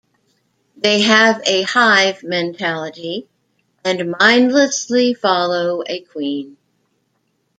They have a hive mentality and mindlessly follow a queen.